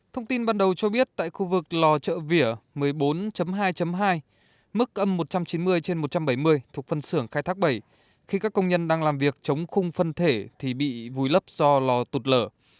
thông tin ban đầu cho biết tại khu vực lò chợ vỉa một mươi bốn hai hai mức âm một trăm chín mươi trên một trăm bảy mươi thuộc phân xưởng khai thác bảy khi các công nhân đang làm việc chống khung phân thể thì bị vùi lấp do lò tụt lở